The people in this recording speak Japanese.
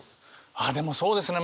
ああでもそうですね